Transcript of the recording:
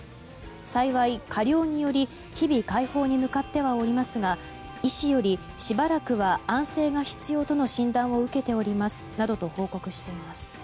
幸い加療により、日々快方に向かってはおりますが医師よりしばらくは安静が必要との診断を受けておりますなどと報告しています。